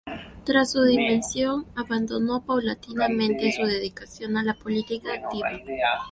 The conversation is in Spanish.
Tras su dimisión, abandonó paulatinamente su dedicación a la política activa.